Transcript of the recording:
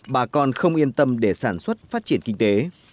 bà con không yên tâm để sản xuất phát triển kinh tế